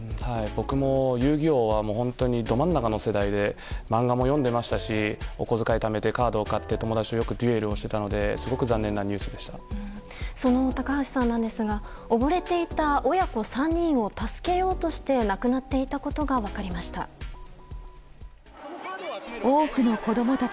僕も「遊☆戯☆王」は本当にど真ん中の世代で漫画も読んでいましたしおこづかいをためてカードを買って友達とよくデュエルをしていたのでそんな高橋さんなんですが溺れていた親子３人を助けようとして亡くなっていたことが分かりました。